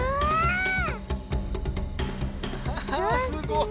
あすごい。